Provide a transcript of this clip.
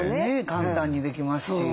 簡単にできますし。